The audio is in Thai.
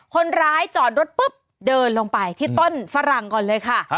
คนร้ายจอดรถปุ๊บเดินลงไปที่ต้นฝรั่งก่อนเลยค่ะ